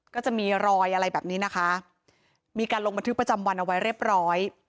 ก็จะมีรอยอะไรแบบนี้นะคะมีการลงบันทึกประจำวันเอาไว้เรียบร้อย